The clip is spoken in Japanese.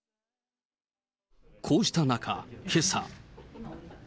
こうした中、けさ。